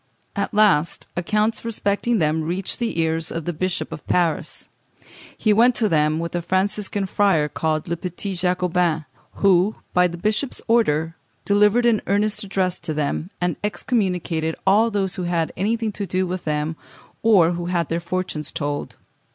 At last accounts respecting them reached the ears of the Bishop of Paris. He went to them with a Franciscan friar, called Le Petit Jacobin, who, by the bishop's order, delivered an earnest address to them, and excommunicated all those who had anything to do with them, or who had their fortunes told.